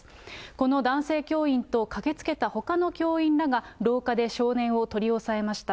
この男性教員と駆けつけたほかの教員らが、廊下で少年を取り押さえました。